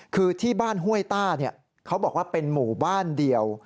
คือที่บ้านห้วยต้าเขาบอกว่าเป็นหมู่บ้านเดียว